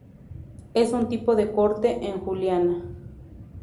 Es un tipo de corte en juliana.